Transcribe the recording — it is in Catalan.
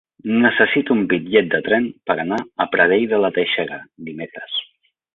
Necessito un bitllet de tren per anar a Pradell de la Teixeta dimecres.